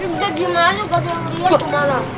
udah gimana gak ada yang liat kemana